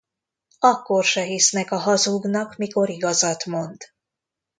Akkor se hisznek a hazugnak, mikor igazat mond.